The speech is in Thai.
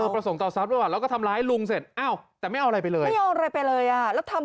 ประสงค์ต่อทรัพย์รึเปล่า